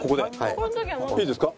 いいですか？